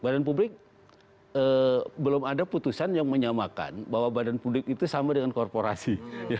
badan publik belum ada putusan yang menyamakan bahwa badan publik itu sama dengan korporasi